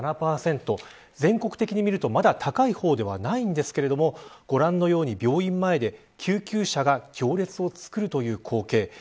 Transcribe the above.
全国的に見るとまだ高い方ではないんですがご覧のように病院前で救急車が行列を作るという光景。